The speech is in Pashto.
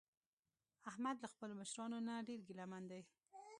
احمد له خپلو مشرانو نه ډېر ګله من دی.